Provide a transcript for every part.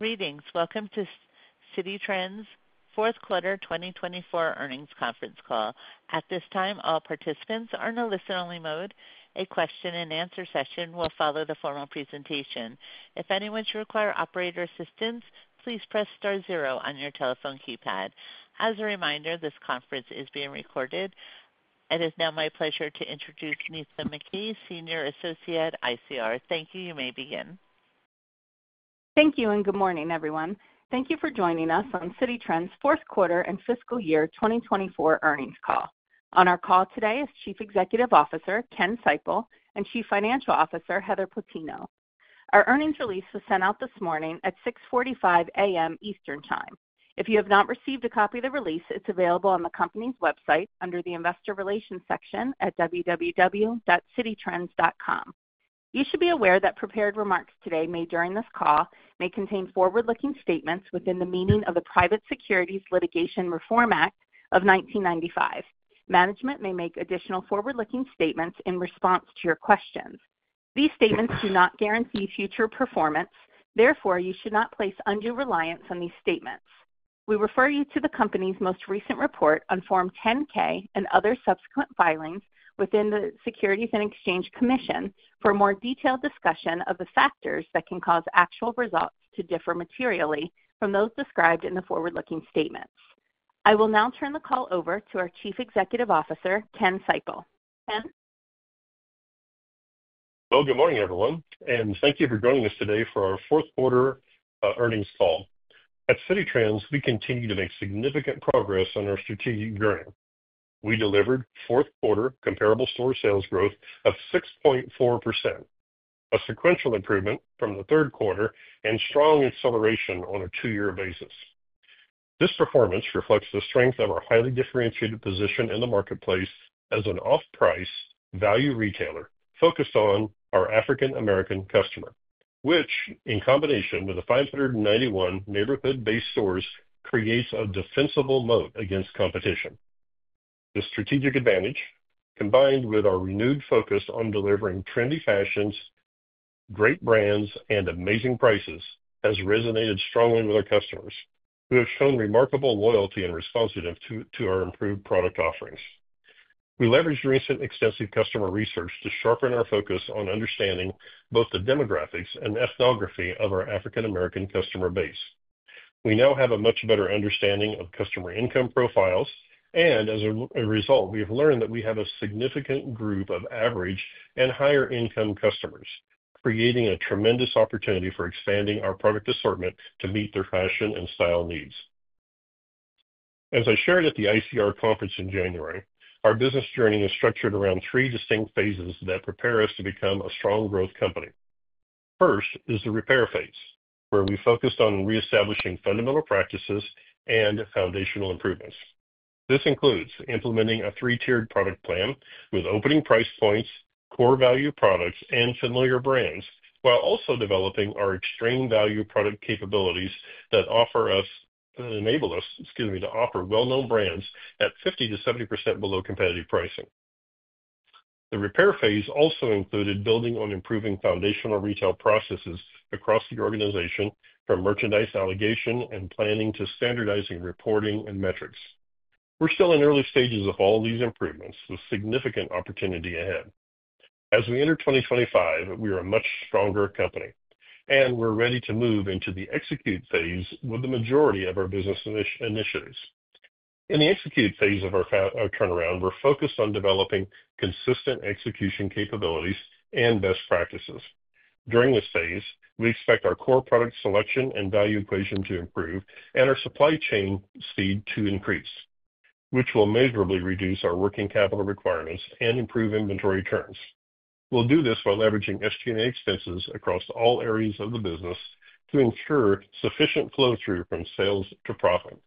Greetings. Welcome to Citi Trends' fourth quarter 2024 earnings conference call. At this time, all participants are in a listen-only mode. A question-and-answer session will follow the formal presentation. If anyone should require operator assistance, please press star zero on your telephone keypad. As a reminder, this conference is being recorded. It is now my pleasure to introduce Nitza McKee, Senior Associate ICR. Thank you. You may begin. Thank you and good morning, everyone. Thank you for joining us on Citi Trends' fourth quarter and fiscal year 2024 earnings call. On our call today is Chief Executive Officer Ken Seipel and Chief Financial Officer Heather Plutino. Our earnings release was sent out this morning at 6:45 A.M. Eastern Time. If you have not received a copy of the release, it's available on the company's website under the Investor Relations section at www.cititrends.com. You should be aware that prepared remarks today made during this call may contain forward-looking statements within the meaning of the Private Securities Litigation Reform Act of 1995. Management may make additional forward-looking statements in response to your questions. These statements do not guarantee future performance. Therefore, you should not place undue reliance on these statements. We refer you to the company's most recent report on Form 10-K and other subsequent filings with the Securities and Exchange Commission for a more detailed discussion of the factors that can cause actual results to differ materially from those described in the forward-looking statements. I will now turn the call over to our Chief Executive Officer, Ken Seipel. Ken? Hello. Good morning, everyone. Thank you for joining us today for our fourth quarter earnings call. At Citi Trends, we continue to make significant progress on our strategic journey. We delivered fourth quarter comparable store sales growth of 6.4%, a sequential improvement from the third quarter, and strong acceleration on a two-year basis. This performance reflects the strength of our highly differentiated position in the marketplace as an off-price value retailer focused on our African American customer, which, in combination with the 591 neighborhood-based stores, creates a defensible moat against competition. This strategic advantage, combined with our renewed focus on delivering trendy fashions, great brands, and amazing prices, has resonated strongly with our customers, who have shown remarkable loyalty and responsiveness to our improved product offerings. We leveraged recent extensive customer research to sharpen our focus on understanding both the demographics and ethnography of our African American customer base. We now have a much better understanding of customer income profiles, and as a result, we have learned that we have a significant group of average and higher-income customers, creating a tremendous opportunity for expanding our product assortment to meet their fashion and style needs. As I shared at the ICR conference in January, our business journey is structured around three distinct phases that prepare us to become a strong growth company. First is the repair phase, where we focused on reestablishing fundamental practices and foundational improvements. This includes implementing a three-tiered product plan with opening price points, core value products, and familiar brands, while also developing our extreme value product capabilities that offer us—that enable us, excuse me—to offer well-known brands at 50%-70% below competitive pricing. The repair phase also included building on improving foundational retail processes across the organization, from merchandise allocation and planning to standardizing reporting and metrics. We're still in early stages of all these improvements, with significant opportunity ahead. As we enter 2025, we are a much stronger company, and we're ready to move into the execute phase with the majority of our business initiatives. In the execute phase of our turnaround, we're focused on developing consistent execution capabilities and best practices. During this phase, we expect our core product selection and value equation to improve and our supply chain speed to increase, which will measurably reduce our working capital requirements and improve inventory turns. We'll do this by leveraging SG&A expenses across all areas of the business to ensure sufficient flow-through from sales to profit.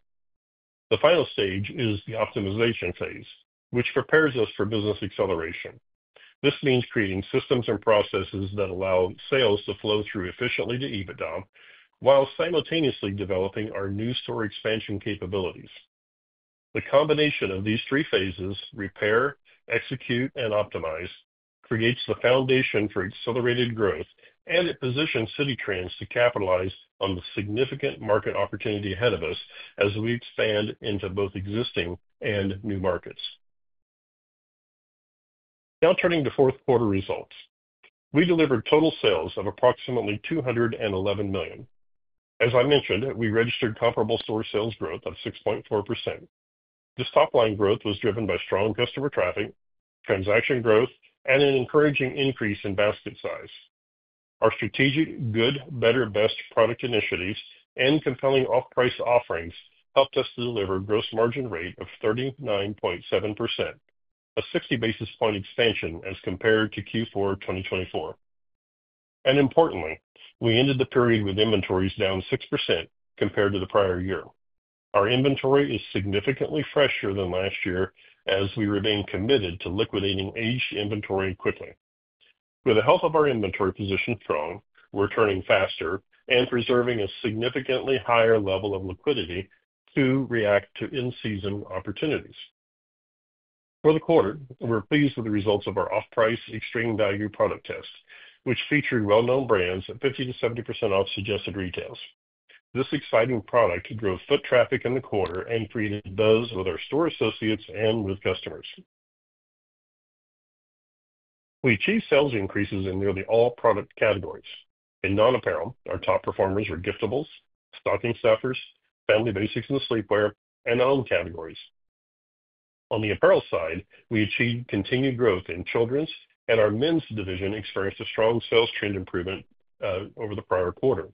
The final stage is the optimization phase, which prepares us for business acceleration. This means creating systems and processes that allow sales to flow through efficiently to EBITDA, while simultaneously developing our new store expansion capabilities. The combination of these three phases—repair, execute, and optimize—creates the foundation for accelerated growth, and it positions Citi Trends to capitalize on the significant market opportunity ahead of us as we expand into both existing and new markets. Now turning to fourth quarter results, we delivered total sales of approximately $211 million. As I mentioned, we registered comparable store sales growth of 6.4%. This top-line growth was driven by strong customer traffic, transaction growth, and an encouraging increase in basket size. Our strategic good, better, best product initiatives and compelling off-price offerings helped us to deliver a gross margin rate of 39.7%, a 60 basis point expansion as compared to Q4 2024. Importantly, we ended the period with inventories down 6% compared to the prior year. Our inventory is significantly fresher than last year as we remain committed to liquidating aged inventory quickly. With the health of our inventory position strong, we're turning faster and preserving a significantly higher level of liquidity to react to in-season opportunities. For the quarter, we're pleased with the results of our off-price extreme value product test, which featured well-known brands at 50%-70% off suggested retails. This exciting product drove foot traffic in the quarter and created buzz with our store associates and with customers. We achieved sales increases in nearly all product categories. In non-apparel, our top performers were giftables, stocking stuffers, family basics, and sleepwear, and all categories. On the apparel side, we achieved continued growth in children's, and our men's division experienced a strong sales trend improvement over the prior quarter.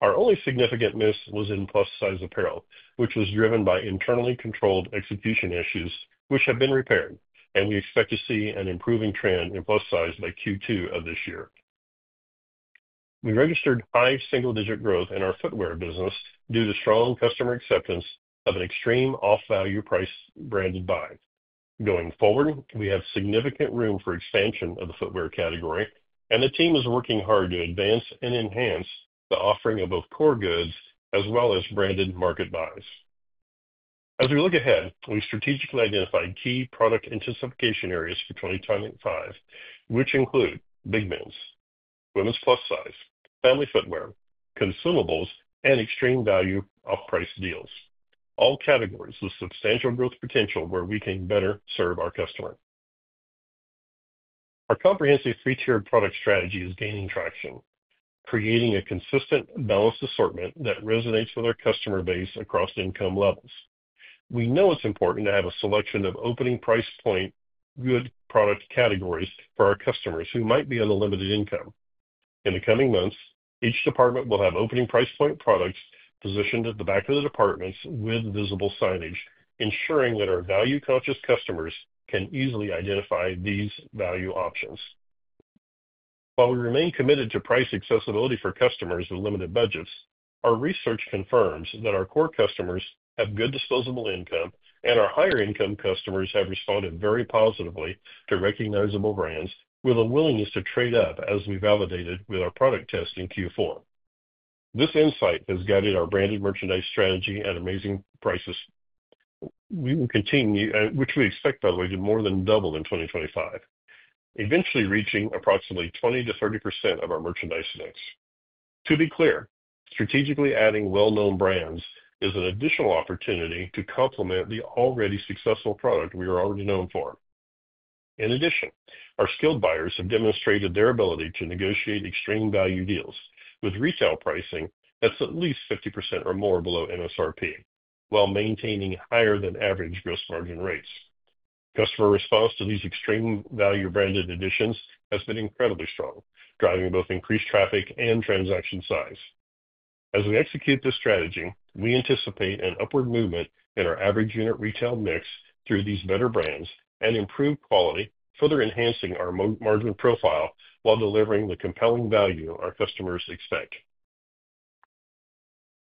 Our only significant miss was in plus-size apparel, which was driven by internally controlled execution issues, which have been repaired, and we expect to see an improving trend in plus-size by Q2 of this year. We registered high single-digit growth in our footwear business due to strong customer acceptance of an extreme off-value price branded buy. Going forward, we have significant room for expansion of the footwear category, and the team is working hard to advance and enhance the offering of both core goods as well as branded market buys. As we look ahead, we strategically identified key product intensification areas for 2025, which include big men's, women's plus-size, family footwear, consumables, and extreme value off-price deals. All categories with substantial growth potential where we can better serve our customer. Our comprehensive three-tiered product strategy is gaining traction, creating a consistent, balanced assortment that resonates with our customer base across income levels. We know it's important to have a selection of opening price point good product categories for our customers who might be on a limited income. In the coming months, each department will have opening price point products positioned at the back of the departments with visible signage, ensuring that our value-conscious customers can easily identify these value options. While we remain committed to price accessibility for customers with limited budgets, our research confirms that our core customers have good disposable income, and our higher-income customers have responded very positively to recognizable brands with a willingness to trade up as we validated with our product test in Q4. This insight has guided our branded merchandise strategy at amazing prices, which we expect, by the way, to more than double in 2025, eventually reaching approximately 20%-30% of our merchandise mix. To be clear, strategically adding well-known brands is an additional opportunity to complement the already successful product we are already known for. In addition, our skilled buyers have demonstrated their ability to negotiate extreme value deals with retail pricing that's at least 50% or more below MSRP, while maintaining higher-than-average gross margin rates. Customer response to these extreme value branded additions has been incredibly strong, driving both increased traffic and transaction size. As we execute this strategy, we anticipate an upward movement in our average unit retail mix through these better brands and improved quality, further enhancing our margin profile while delivering the compelling value our customers expect.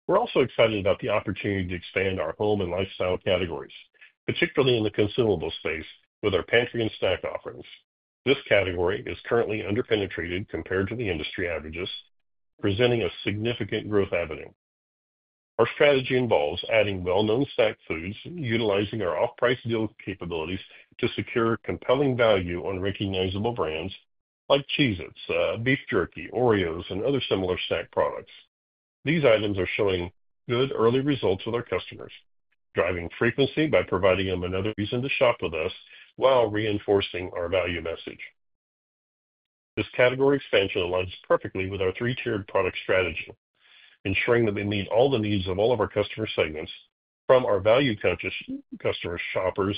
We're also excited about the opportunity to expand our home and lifestyle categories, particularly in the consumable space with our pantry and snack offerings. This category is currently underpenetrated compared to the industry averages, presenting a significant growth avenue. Our strategy involves adding well-known snack foods, utilizing our off-price deal capabilities to secure compelling value on recognizable brands like Cheez-Its, beef jerky, Oreos, and other similar snack products. These items are showing good early results with our customers, driving frequency by providing them another reason to shop with us while reinforcing our value message. This category expansion aligns perfectly with our three-tiered product strategy, ensuring that we meet all the needs of all of our customer segments, from our value-conscious customers, shoppers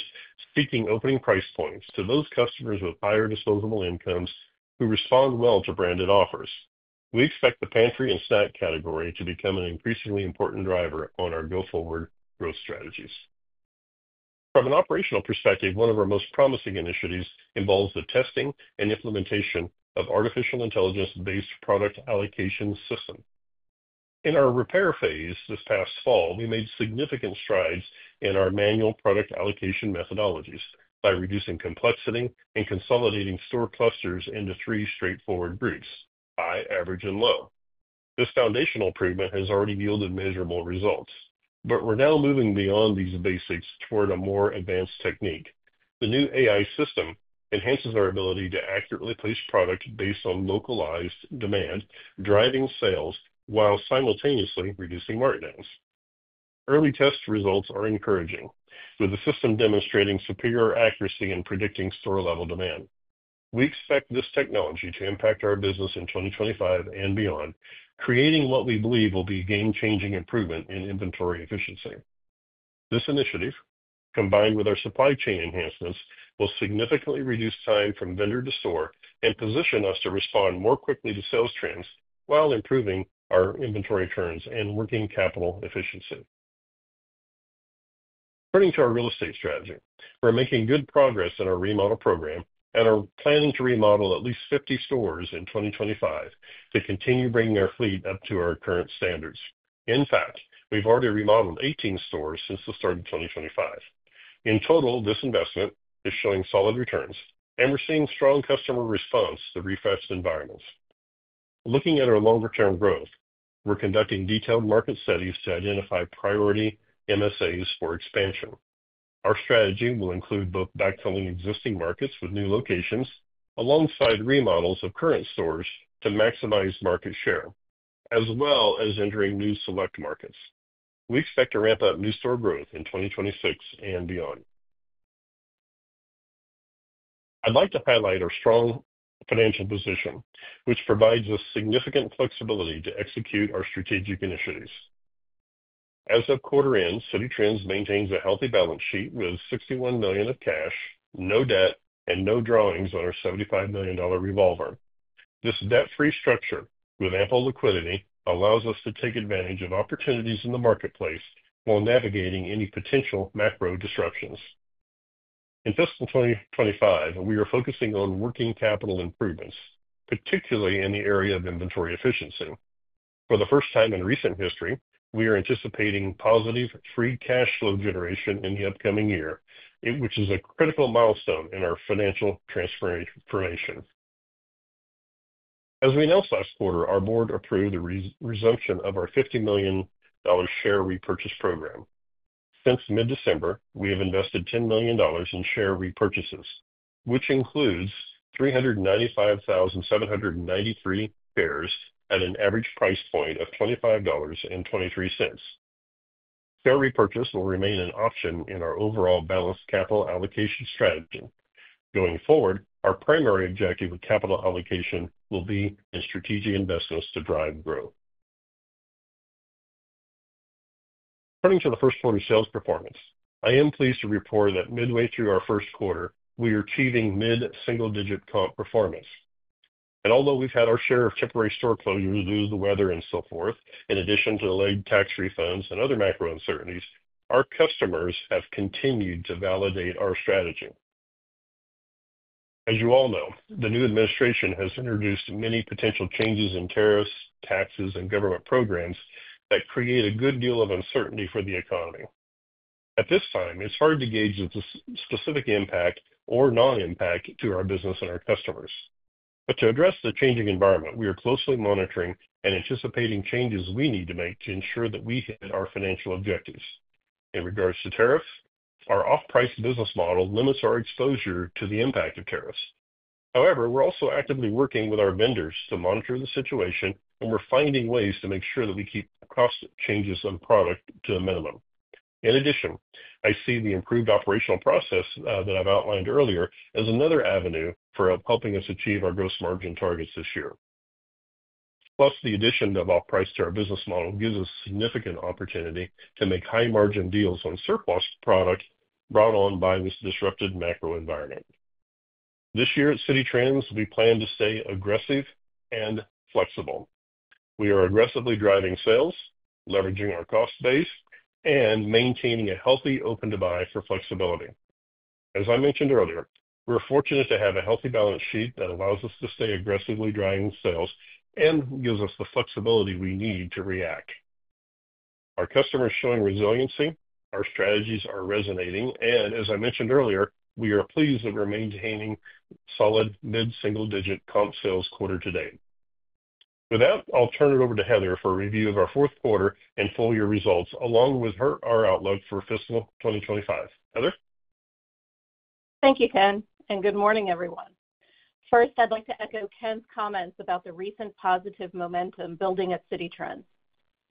seeking opening price points, to those customers with higher disposable incomes who respond well to branded offers. We expect the pantry and snack category to become an increasingly important driver on our go-forward growth strategies. From an operational perspective, one of our most promising initiatives involves the testing and implementation of an artificial intelligence-based product allocation system. In our repair phase this past fall, we made significant strides in our manual product allocation methodologies by reducing complexity and consolidating store clusters into three straightforward groups: high, average, and low. This foundational improvement has already yielded measurable results, but we're now moving beyond these basics toward a more advanced technique. The new AI system enhances our ability to accurately place product based on localized demand, driving sales while simultaneously reducing margins. Early test results are encouraging, with the system demonstrating superior accuracy in predicting store-level demand. We expect this technology to impact our business in 2025 and beyond, creating what we believe will be a game-changing improvement in inventory efficiency. This initiative, combined with our supply chain enhancements, will significantly reduce time from vendor to store and position us to respond more quickly to sales trends while improving our inventory turns and working capital efficiency. Turning to our real estate strategy, we're making good progress in our remodel program and are planning to remodel at least 50 stores in 2025 to continue bringing our fleet up to our current standards. In fact, we've already remodeled 18 stores since the start of 2025. In total, this investment is showing solid returns, and we're seeing strong customer response to refreshed environments. Looking at our longer-term growth, we're conducting detailed market studies to identify priority MSAs for expansion. Our strategy will include both backfilling existing markets with new locations alongside remodels of current stores to maximize market share, as well as entering new select markets. We expect to ramp up new store growth in 2026 and beyond. I'd like to highlight our strong financial position, which provides us significant flexibility to execute our strategic initiatives. As of quarter end, Citi Trends maintains a healthy balance sheet with $61 million of cash, no debt, and no drawings on our $75 million revolver. This debt-free structure with ample liquidity allows us to take advantage of opportunities in the marketplace while navigating any potential macro disruptions. In fiscal 2025, we are focusing on working capital improvements, particularly in the area of inventory efficiency. For the first time in recent history, we are anticipating positive free cash flow generation in the upcoming year, which is a critical milestone in our financial transformation. As we announced last quarter, our board approved the resumption of our $50 million share repurchase program. Since mid-December, we have invested $10 million in share repurchases, which includes 395,793 shares at an average price point of $25.23. Share repurchase will remain an option in our overall balanced capital allocation strategy. Going forward, our primary objective with capital allocation will be in strategic investments to drive growth. Turning to the first quarter sales performance, I am pleased to report that midway through our first quarter, we are achieving mid-single-digit comp performance. Although we've had our share of temporary store closures due to the weather and so forth, in addition to delayed tax refunds and other macro uncertainties, our customers have continued to validate our strategy. As you all know, the new administration has introduced many potential changes in tariffs, taxes, and government programs that create a good deal of uncertainty for the economy. At this time, it's hard to gauge the specific impact or non-impact to our business and our customers. To address the changing environment, we are closely monitoring and anticipating changes we need to make to ensure that we hit our financial objectives. In regards to tariffs, our off-price business model limits our exposure to the impact of tariffs. However, we're also actively working with our vendors to monitor the situation, and we're finding ways to make sure that we keep cost changes on product to a minimum. In addition, I see the improved operational process that I've outlined earlier as another avenue for helping us achieve our gross margin targets this year. Plus, the addition of off-price to our business model gives us a significant opportunity to make high-margin deals on surplus product brought on by this disrupted macro environment. This year at Citi Trends, we plan to stay aggressive and flexible. We are aggressively driving sales, leveraging our cost base, and maintaining a healthy open to buy for flexibility. As I mentioned earlier, we're fortunate to have a healthy balance sheet that allows us to stay aggressively driving sales and gives us the flexibility we need to react. Our customers are showing resiliency. Our strategies are resonating. As I mentioned earlier, we are pleased that we're maintaining solid mid-single-digit comp sales quarter to date. With that, I'll turn it over to Heather for a review of our fourth quarter and full year results, along with her outlook for fiscal 2025. Heather? Thank you, Ken, and good morning, everyone. First, I'd like to echo Ken's comments about the recent positive momentum building at Citi Trends.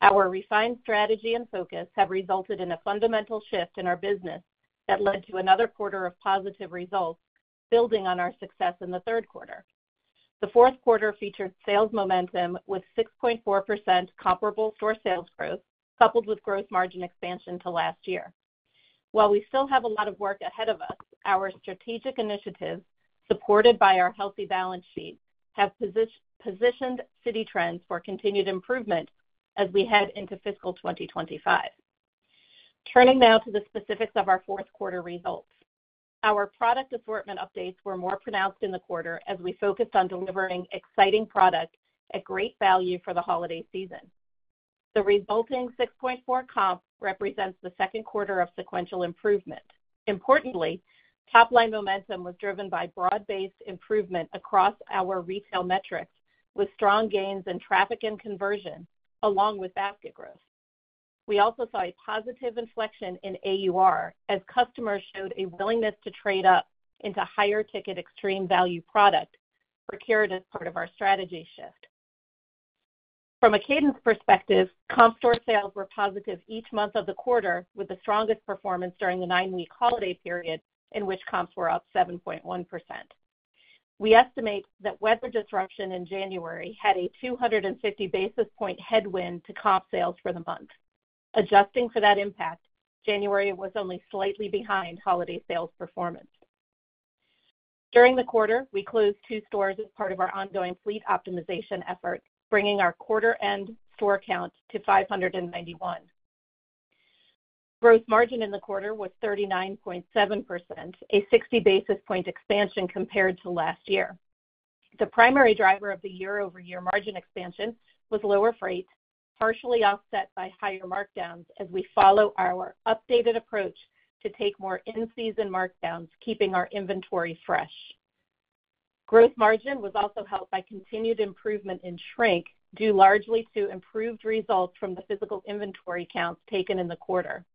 Our refined strategy and focus have resulted in a fundamental shift in our business that led to another quarter of positive results, building on our success in the third quarter. The fourth quarter featured sales momentum with 6.4% comparable store sales growth, coupled with gross margin expansion to last year. While we still have a lot of work ahead of us, our strategic initiatives, supported by our healthy balance sheet, have positioned Citi Trends for continued improvement as we head into fiscal 2025. Turning now to the specifics of our fourth quarter results, our product assortment updates were more pronounced in the quarter as we focused on delivering exciting product at great value for the holiday season. The resulting 6.4% comp represents the second quarter of sequential improvement. Importantly, top-line momentum was driven by broad-based improvement across our retail metrics, with strong gains in traffic and conversion, along with basket growth. We also saw a positive inflection in AUR as customers showed a willingness to trade up into higher-ticket extreme value product procured as part of our strategy shift. From a cadence perspective, comp store sales were positive each month of the quarter, with the strongest performance during the nine-week holiday period, in which comps were up 7.1%. We estimate that weather disruption in January had a 250 basis point headwind to comp sales for the month. Adjusting for that impact, January was only slightly behind holiday sales performance. During the quarter, we closed two stores as part of our ongoing fleet optimization effort, bringing our quarter-end store count to 591. Gross margin in the quarter was 39.7%, a 60 basis point expansion compared to last year. The primary driver of the year-over-year margin expansion was lower freight, partially offset by higher markdowns as we follow our updated approach to take more in-season markdowns, keeping our inventory fresh. Gross margin was also helped by continued improvement in shrink, due largely to improved results from the physical inventory counts taken in the quarter.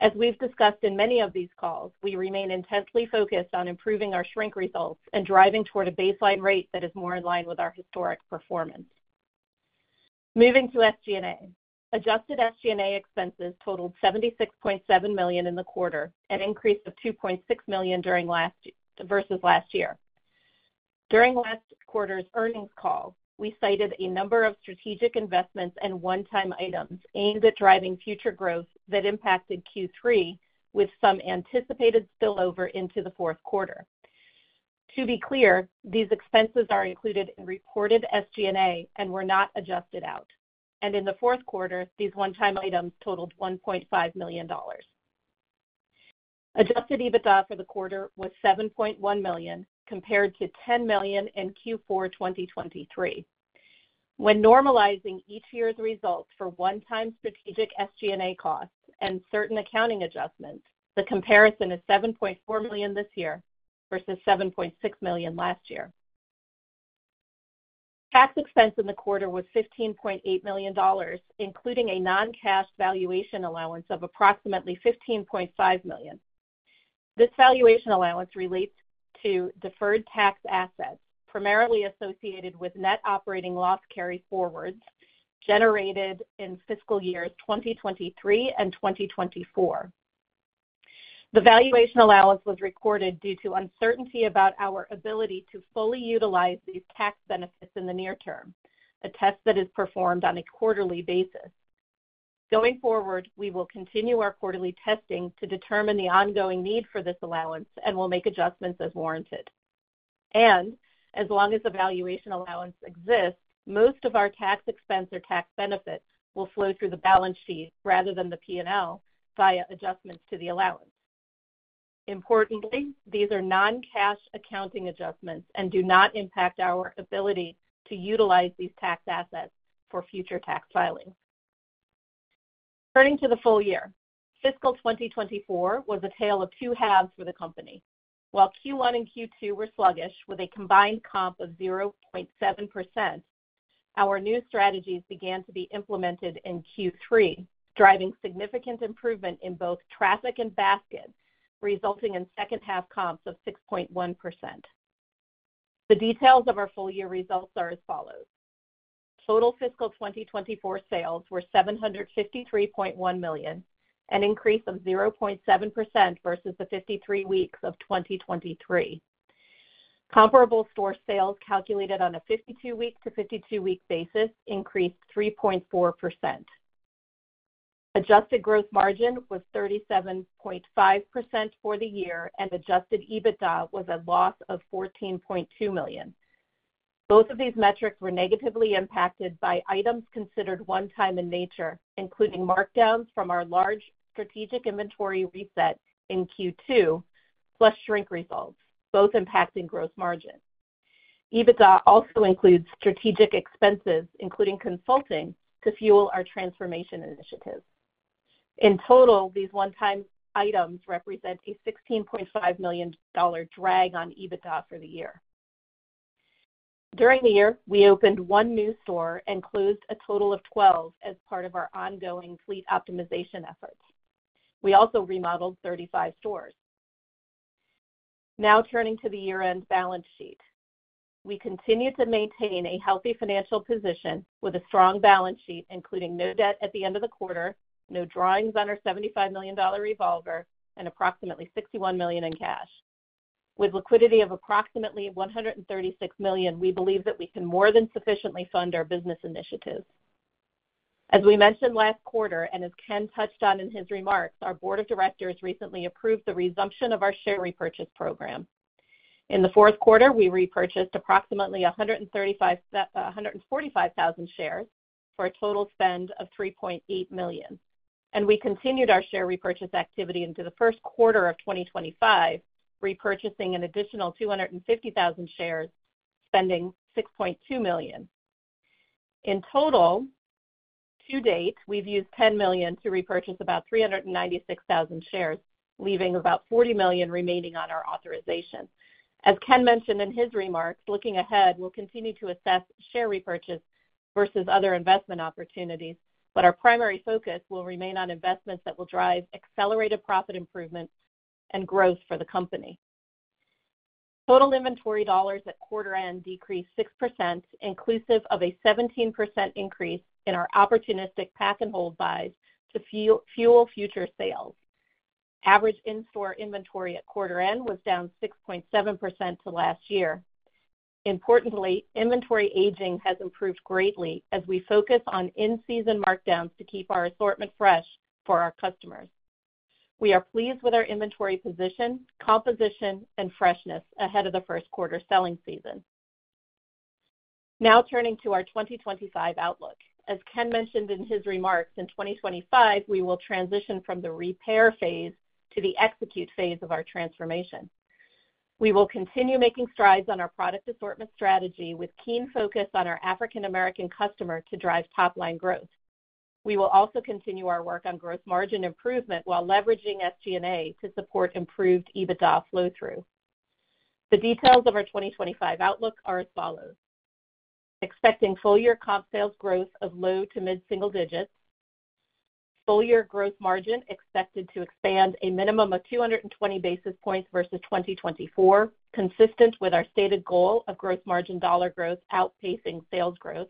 As we've discussed in many of these calls, we remain intensely focused on improving our shrink results and driving toward a baseline rate that is more in line with our historic performance. Moving to SG&A, adjusted SG&A expenses totaled $76.7 million in the quarter, an increase of $2.6 million versus last year. During last quarter's earnings call, we cited a number of strategic investments and one-time items aimed at driving future growth that impacted Q3, with some anticipated spillover into the fourth quarter. To be clear, these expenses are included in reported SG&A and were not adjusted out. In the fourth quarter, these one-time items totaled $1.5 million. Adjusted EBITDA for the quarter was $7.1 million, compared to $10 million in Q4 2023. When normalizing each year's results for one-time strategic SG&A costs and certain accounting adjustments, the comparison is $7.4 million this year versus $7.6 million last year. Tax expense in the quarter was $15.8 million, including a non-cash valuation allowance of approximately $15.5 million. This valuation allowance relates to deferred tax assets, primarily associated with net operating loss carry forwards generated in fiscal years 2023 and 2024. The valuation allowance was recorded due to uncertainty about our ability to fully utilize these tax benefits in the near term, a test that is performed on a quarterly basis. Going forward, we will continue our quarterly testing to determine the ongoing need for this allowance and will make adjustments as warranted. As long as the valuation allowance exists, most of our tax expense or tax benefit will flow through the balance sheet rather than the P&L via adjustments to the allowance. Importantly, these are non-cash accounting adjustments and do not impact our ability to utilize these tax assets for future tax filing. Turning to the full year, fiscal 2024 was a tale of two halves for the company. While Q1 and Q2 were sluggish with a combined comp of 0.7%, our new strategies began to be implemented in Q3, driving significant improvement in both traffic and basket, resulting in second-half comps of 6.1%. The details of our full year results are as follows. Total fiscal 2024 sales were $753.1 million, an increase of 0.7% versus the 53 weeks of 2023. Comparable store sales calculated on a 52-week to 52-week basis increased 3.4%. Adjusted gross margin was 37.5% for the year, and adjusted EBITDA was a loss of $14.2 million. Both of these metrics were negatively impacted by items considered one-time in nature, including markdowns from our large strategic inventory reset in Q2, plus shrink results, both impacting gross margin. EBITDA also includes strategic expenses, including consulting to fuel our transformation initiatives. In total, these one-time items represent a $16.5 million drag on EBITDA for the year. During the year, we opened one new store and closed a total of 12 as part of our ongoing fleet optimization efforts. We also remodeled 35 stores. Now turning to the year-end balance sheet, we continue to maintain a healthy financial position with a strong balance sheet, including no debt at the end of the quarter, no drawings on our $75 million revolver, and approximately $61 million in cash. With liquidity of approximately $136 million, we believe that we can more than sufficiently fund our business initiatives. As we mentioned last quarter, and as Ken touched on in his remarks, our board of directors recently approved the resumption of our share repurchase program. In the fourth quarter, we repurchased approximately 145,000 shares for a total spend of $3.8 million. We continued our share repurchase activity into the first quarter of 2025, repurchasing an additional 250,000 shares, spending $6.2 million. In total, to date, we've used $10 million to repurchase about 396,000 shares, leaving about $40 million remaining on our authorization. As Ken mentioned in his remarks, looking ahead, we'll continue to assess share repurchase versus other investment opportunities, but our primary focus will remain on investments that will drive accelerated profit improvement and growth for the company. Total inventory dollars at quarter-end decreased 6%, inclusive of a 17% increase in our opportunistic pack and hold buys to fuel future sales. Average in-store inventory at quarter-end was down 6.7% to last year. Importantly, inventory aging has improved greatly as we focus on in-season markdowns to keep our assortment fresh for our customers. We are pleased with our inventory position, composition, and freshness ahead of the first quarter selling season. Now turning to our 2025 outlook. As Ken mentioned in his remarks, in 2025, we will transition from the repair phase to the execute phase of our transformation. We will continue making strides on our product assortment strategy with keen focus on our African American customer to drive top-line growth. We will also continue our work on gross margin improvement while leveraging SG&A to support improved EBITDA flow-through. The details of our 2025 outlook are as follows. Expecting full year comp sales growth of low to mid-single digits. Full year gross margin expected to expand a minimum of 220 basis points versus 2024, consistent with our stated goal of gross margin dollar growth outpacing sales growth.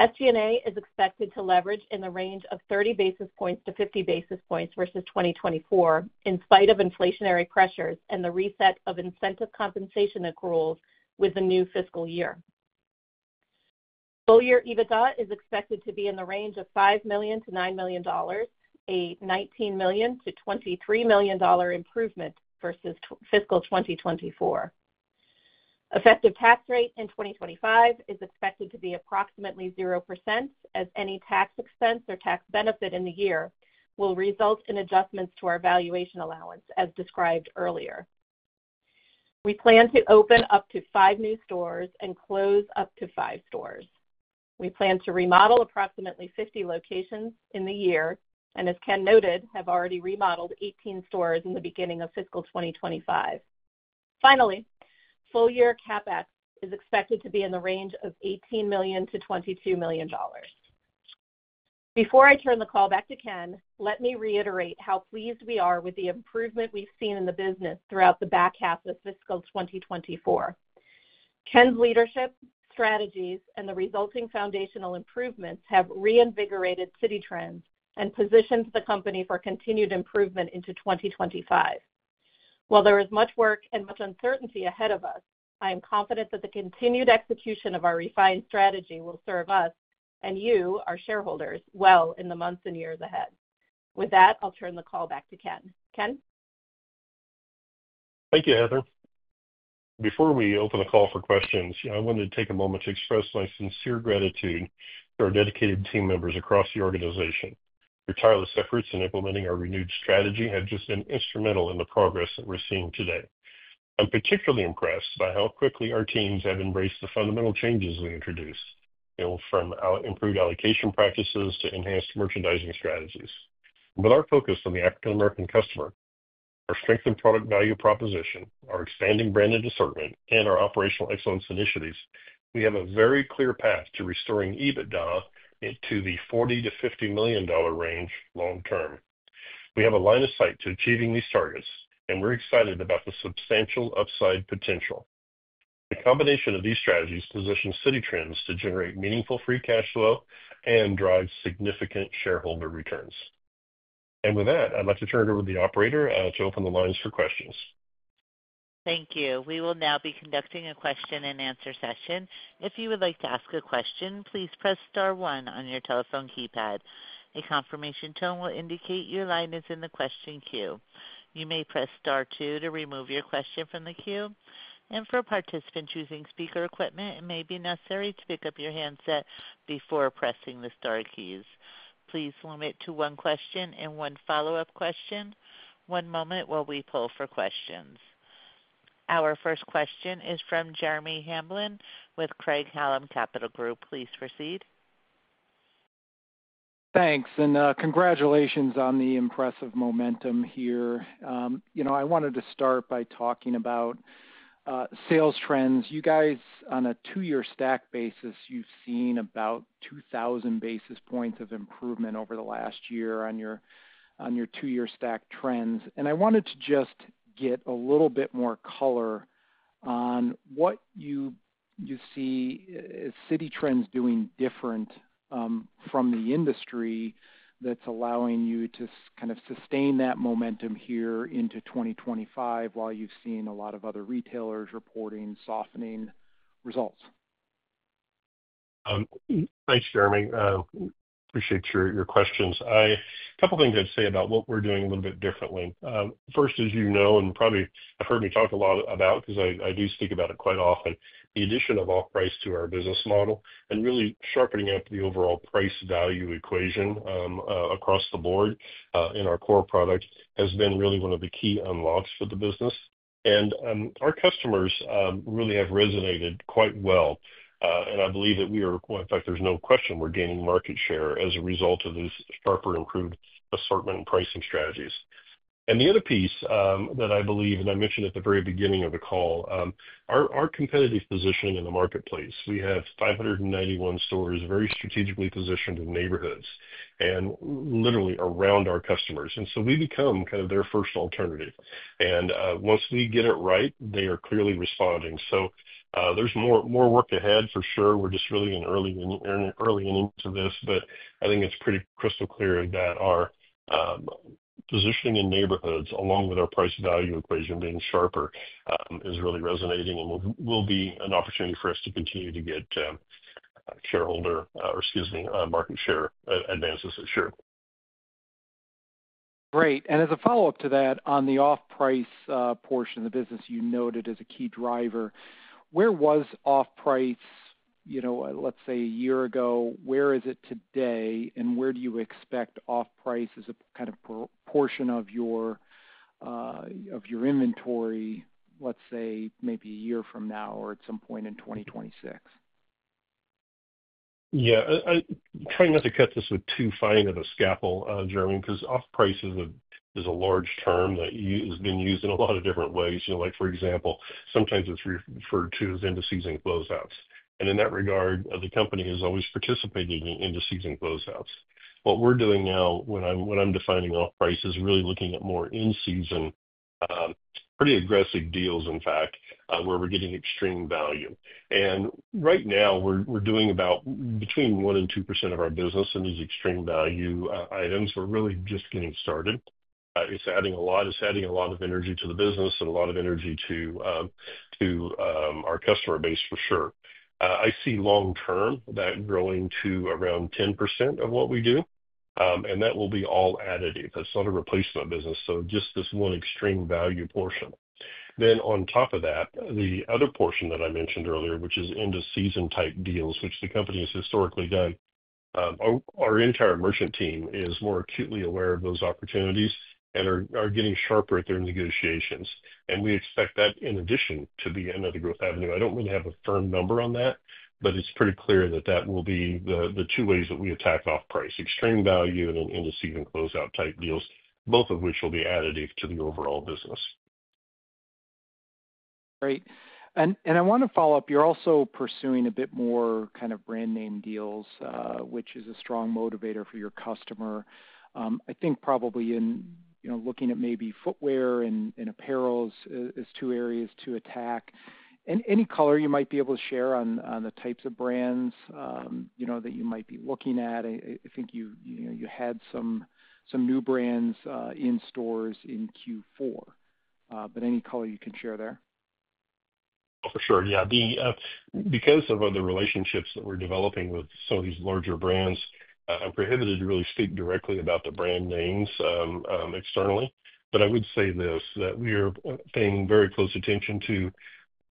SG&A is expected to leverage in the range of 30 basis points to 50 basis points versus 2024, in spite of inflationary pressures and the reset of incentive compensation accruals with the new fiscal year. Full year EBITDA is expected to be in the range of $5 million-$9 million, a $19 million-$23 million improvement versus fiscal 2024. Effective tax rate in 2025 is expected to be approximately 0%, as any tax expense or tax benefit in the year will result in adjustments to our valuation allowance, as described earlier. We plan to open up to five new stores and close up to five stores. We plan to remodel approximately 50 locations in the year, and as Ken noted, have already remodeled 18 stores in the beginning of fiscal 2025. Finally, full year CapEx is expected to be in the range of $18 million-$22 million. Before I turn the call back to Ken, let me reiterate how pleased we are with the improvement we've seen in the business throughout the back half of fiscal 2024. Ken's leadership, strategies, and the resulting foundational improvements have reinvigorated Citi Trends and positioned the company for continued improvement into 2025. While there is much work and much uncertainty ahead of us, I am confident that the continued execution of our refined strategy will serve us and you, our shareholders, well in the months and years ahead. With that, I'll turn the call back to Ken. Ken? Thank you, Heather. Before we open the call for questions, I wanted to take a moment to express my sincere gratitude to our dedicated team members across the organization. Your tireless efforts in implementing our renewed strategy have just been instrumental in the progress that we're seeing today. I'm particularly impressed by how quickly our teams have embraced the fundamental changes we introduced, from improved allocation practices to enhanced merchandising strategies. With our focus on the African American customer, our strengthened product value proposition, our expanding branded assortment, and our operational excellence initiatives, we have a very clear path to restoring EBITDA into the $40 million-$50 million range long term. We have a line of sight to achieving these targets, and we are excited about the substantial upside potential. The combination of these strategies positions Citi Trends to generate meaningful free cash flow and drive significant shareholder returns. I would like to turn it over to the operator to open the lines for questions. Thank you. We will now be conducting a question and answer session. If you would like to ask a question, please press star one on your telephone keypad. A confirmation tone will indicate your line is in the question queue. You may press star one to remove your question from the queue. For participants using speaker equipment, it may be necessary to pick up your handset before pressing the star keys. Please limit to one question and one follow-up question. One moment while we pull for questions. Our first question is from Jeremy Hamblin with Craig-Hallum Capital Group. Please proceed. Thanks. Congratulations on the impressive momentum here. I wanted to start by talking about sales trends. You guys, on a two-year stack basis, have seen about 2,000 basis points of improvement over the last year on your two-year stack trends. I wanted to get a little bit more color on what you see Citi Trends doing different from the industry that's allowing you to kind of sustain that momentum into 2025 while you have seen a lot of other retailers reporting softening results. Thanks, Jeremy. Appreciate your questions. A couple of things I'd say about what we're doing a little bit differently. First, as you know, and probably have heard me talk a lot about because I do speak about it quite often, the addition of off price to our business model and really sharpening up the overall price value equation across the board in our core product has been really one of the key unlocks for the business. Our customers really have resonated quite well. I believe that we are, in fact, there's no question we're gaining market share as a result of these sharper improved assortment and pricing strategies. The other piece that I believe, and I mentioned at the very beginning of the call, is our competitive positioning in the marketplace. We have 591 stores, very strategically positioned in neighborhoods and literally around our customers. We become kind of their first alternative. Once we get it right, they are clearly responding. There is more work ahead for sure. We are just really early into this. I think it is pretty crystal clear that our positioning in neighborhoods, along with our price value equation being sharper, is really resonating and will be an opportunity for us to continue to get shareholder or, excuse me, market share advances for sure. Great. As a follow-up to that, on the off-price portion of the business, you noted as a key driver, where was off-price, let's say, a year ago? Where is it today? Where do you expect off-price as a kind of portion of your inventory, let's say, maybe a year from now or at some point in 2026? Yeah. Trying not to cut this with too fine of a scaffold, Jeremy, because off-price is a large term that has been used in a lot of different ways. For example, sometimes it's referred to as end-of-season closeouts. In that regard, the company has always participated in end-of-season closeouts. What we're doing now, when I'm defining off-price, is really looking at more in-season, pretty aggressive deals, in fact, where we're getting extreme value. Right now, we're doing about between 1% and 2% of our business in these extreme value items. We're really just getting started. It's adding a lot of energy to the business and a lot of energy to our customer base, for sure. I see long term that growing to around 10% of what we do. That will be all additive. That's not a replacement business. Just this one extreme value portion. On top of that, the other portion that I mentioned earlier, which is end-of-season type deals, which the company has historically done, our entire merchant team is more acutely aware of those opportunities and are getting sharper at their negotiations. We expect that, in addition to the end-of-the-growth avenue. I do not really have a firm number on that, but it is pretty clear that that will be the two ways that we attack off-price: extreme value and end-of-season closeout type deals, both of which will be additive to the overall business. Great. I want to follow up. You are also pursuing a bit more kind of brand name deals, which is a strong motivator for your customer. I think probably in looking at maybe footwear and apparel as two areas to attack. Any color you might be able to share on the types of brands that you might be looking at? I think you had some new brands in stores in Q4. Any color you can share there? Oh, for sure. Yeah. Because of the relationships that we're developing with some of these larger brands, I'm prohibited to really speak directly about the brand names externally. I would say this, that we are paying very close attention to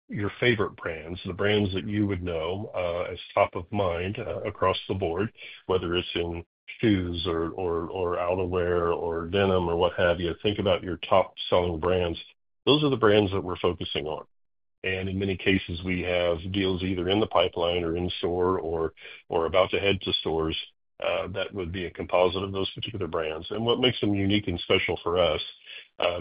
your favorite brands, the brands that you would know as top of mind across the board, whether it's in shoes or outerwear or denim or what have you. Think about your top-selling brands. Those are the brands that we're focusing on. In many cases, we have deals either in the pipeline or in store or about to head to stores that would be a composite of those particular brands. What makes them unique and special for us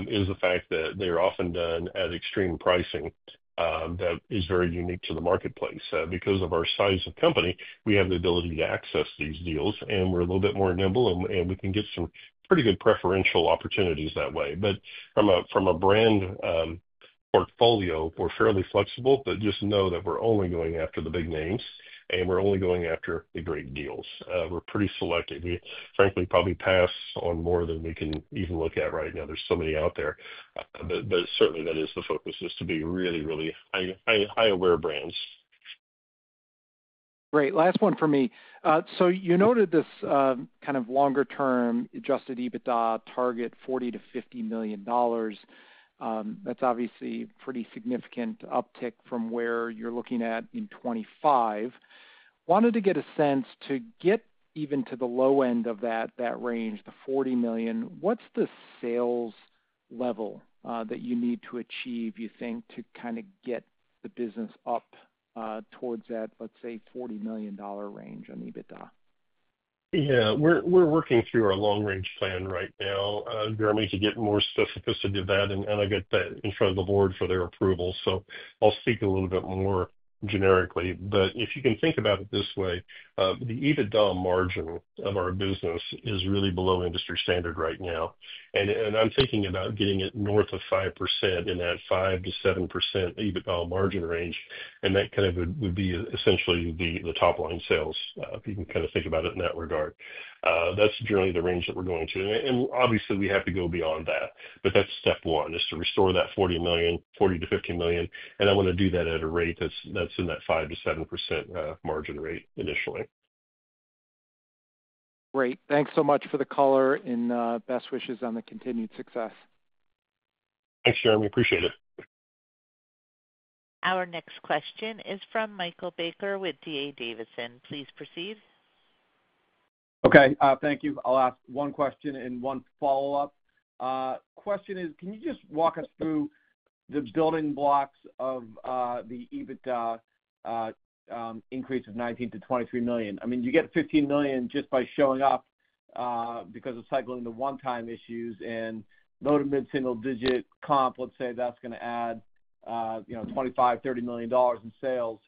is the fact that they're often done at extreme pricing that is very unique to the marketplace. Because of our size of company, we have the ability to access these deals, and we're a little bit more nimble, and we can get some pretty good preferential opportunities that way. From a brand portfolio, we're fairly flexible, but just know that we're only going after the big names, and we're only going after the great deals. We're pretty selective. We, frankly, probably pass on more than we can even look at right now. There are so many out there. Certainly, that is the focus, to be really, really high-aware brands. Great. Last one for me. You noted this kind of longer-term adjusted EBITDA target, $40 million-$50 million. That's obviously a pretty significant uptick from where you're looking at in 2025. Wanted to get a sense to get even to the low end of that range, the $40 million. What's the sales level that you need to achieve, you think, to kind of get the business up towards that, let's say, $40 million range on EBITDA? Yeah. We're working through our long-range plan right now, Jeremy, to get more specificity of that. I get that in front of the board for their approval. I'll speak a little bit more generically. If you can think about it this way, the EBITDA margin of our business is really below industry standard right now. I'm thinking about getting it north of 5% in that 5%-7% EBITDA margin range. That kind of would be essentially the top-line sales, if you can kind of think about it in that regard. That's generally the range that we're going to. Obviously, we have to go beyond that. That's step one, is to restore that $40 million, $40 million-$50 million. I want to do that at a rate that's in that 5%-7% margin rate initially. Great. Thanks so much for the color and best wishes on the continued success. Thanks, Jeremy. Appreciate it. Our next question is from Michael Baker with D.A. Davidson. Please proceed. Okay. Thank you. I'll ask one question and one follow-up. Question is, can you just walk us through the building blocks of the EBITDA increase of $19 million-$23 million? I mean, you get $15 million just by showing up because of cycling the one-time issues and low to mid-single-digit comp, let's say that's going to add $25 million-$30 million in sales.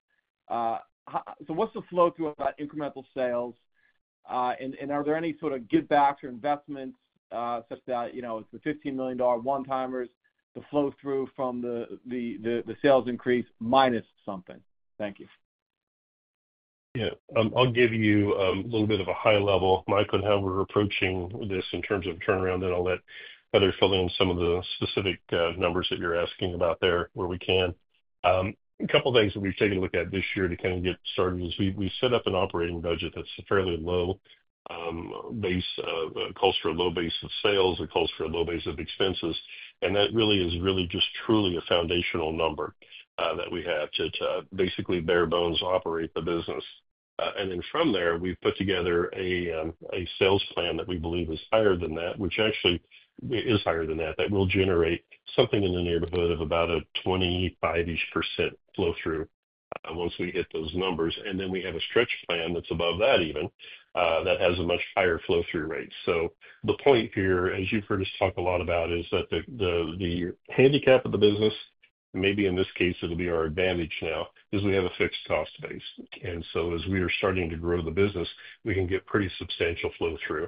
What's the flow through of that incremental sales? Are there any sort of give-backs or investments such that it's the $15 million one-timers, the flow through from the sales increase minus something? Thank you. Yeah. I'll give you a little bit of a high level. Michael and Howard are approaching this in terms of turnaround, and I'll let Heather fill in some of the specific numbers that you're asking about there where we can. A couple of things that we've taken a look at this year to kind of get started is we set up an operating budget that's a fairly low base, close to a low base of sales, close to a low base of expenses. That really is just truly a foundational number that we have to basically bare bones operate the business. From there, we've put together a sales plan that we believe is higher than that, which actually is higher than that, that will generate something in the neighborhood of about a 25% flow-through once we hit those numbers. We have a stretch plan that's above that even that has a much higher flow-through rate. The point here, as you've heard us talk a lot about, is that the handicap of the business, maybe in this case, it'll be our advantage now, is we have a fixed cost base. As we are starting to grow the business, we can get pretty substantial flow-through.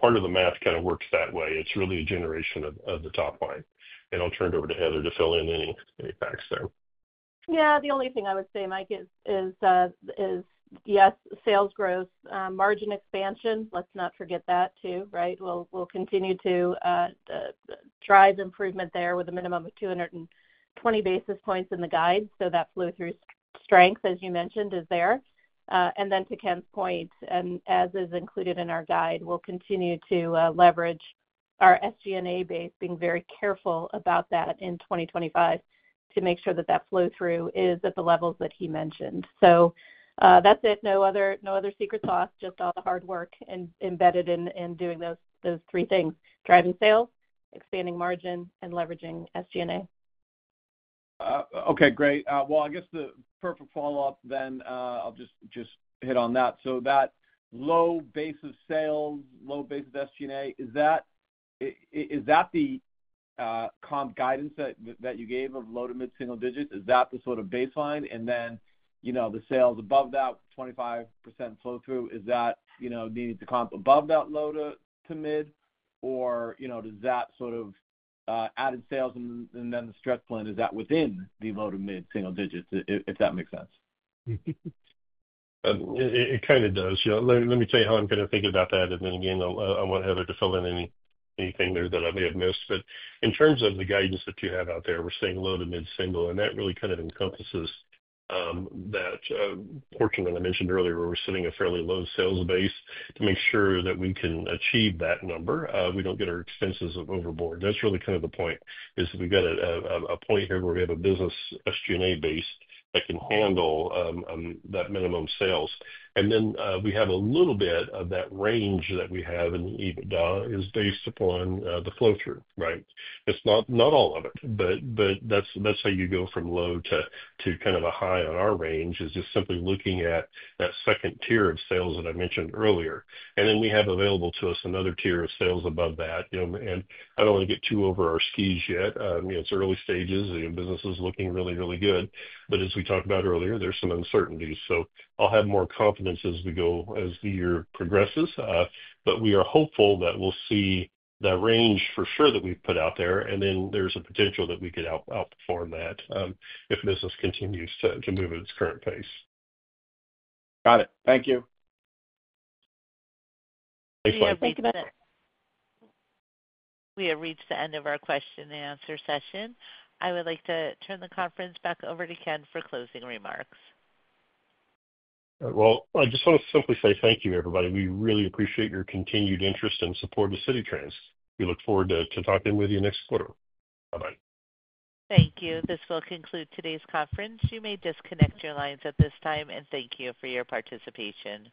Part of the math kind of works that way. It's really a generation of the top line. I'll turn it over to Heather to fill in any facts there. Yeah. The only thing I would say, Mike, is, yes, sales growth, margin expansion. Let's not forget that too, right? We'll continue to drive improvement there with a minimum of 220 basis points in the guide. That flow-through strength, as you mentioned, is there. To Ken's point, and as is included in our guide, we'll continue to leverage our SG&A base, being very careful about that in 2025 to make sure that that flow-through is at the levels that he mentioned. That's it. No other secret sauce, just all the hard work embedded in doing those three things: driving sales, expanding margin, and leveraging SG&A. Okay. Great. I guess the perfect follow-up, then I'll just hit on that. That low base of sales, low base of SG&A, is that the comp guidance that you gave of low to mid-single digits? Is that the sort of baseline? The sales above that, 25% flow-through, is that needed to comp above that low to mid? Or does that sort of added sales and then the stretch plan, is that within the low to mid-single digits, if that makes sense? It kind of does. Let me tell you how I'm going to think about that. I want Heather to fill in anything there that I may have missed. In terms of the guidance that you have out there, we're saying low to mid-single. That really kind of encompasses that portion that I mentioned earlier where we're sitting a fairly low sales base to make sure that we can achieve that number, we don't get our expenses overboard. That's really kind of the point, is we've got a point here where we have a business SG&A base that can handle that minimum sales. We have a little bit of that range that we have in EBITDA is based upon the flow-through, right? It's not all of it. That's how you go from low to kind of a high on our range, is just simply looking at that second tier of sales that I mentioned earlier. We have available to us another tier of sales above that. I do not want to get too over our skis yet. It is early stages. The business is looking really, really good. As we talked about earlier, there are some uncertainties. I will have more confidence as we go as the year progresses. We are hopeful that we will see that range for sure that we have put out there. There is a potential that we could outperform that if business continues to move at its current pace. Got it. Thank you. Yeah. Thank you, Baker. We have reached the end of our question-and-answer session. I would like to turn the conference back over to Ken for closing remarks. I just want to simply say thank you, everybody. We really appreciate your continued interest and support of Citi Trends. We look forward to talking with you next quarter. Bye-bye. Thank you. This will conclude today's conference. You may disconnect your lines at this time, and thank you for your participation.